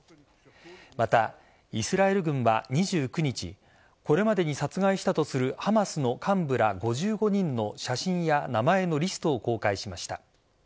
また、イスラエル軍は２９日これまでに殺害したとするハマスの幹部ら５５人の写真や名前のリストを公開しました。